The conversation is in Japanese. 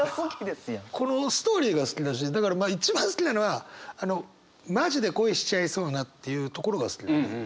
このストーリーが好きだしだからまあ一番好きなのはあの「ＭａｊｉでＫｏｉしちゃいそうな」っていうところが好きなんだよね。